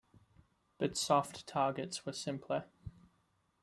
But soft targets were simpler.